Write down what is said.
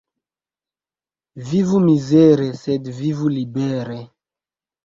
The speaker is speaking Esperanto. Vivu mizere, sed vivu libere!